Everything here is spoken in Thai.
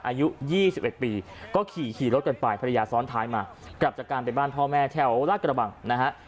อายุ๒๑ปีก็ขี่รถกันไปภรรยาซ้อนท้ายมากลับจากการไปบ้านพ่อแม่แถวลาดกระบังนะฮะ